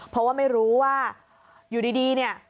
เพราะว่าไม่รู้ว่าอยู่ดีเนี่ย